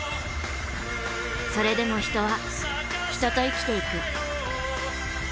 それでも人は人と生きていく。